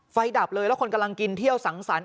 ดับเลยแล้วคนกำลังกินเที่ยวสังสรรค